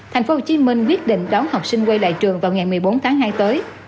thành phố hồ chí minh quyết định đón học sinh quay lại trường vào ngày một mươi bốn tháng hai tới